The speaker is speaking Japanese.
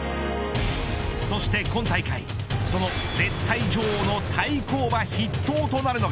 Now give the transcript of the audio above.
そして今大会、その絶対女王の対抗馬筆頭となるのが。